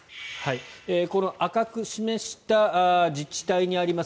この赤く示した自治体にあります